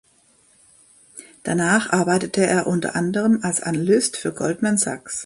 Danach arbeitete er unter anderem als Analyst für Goldman Sachs.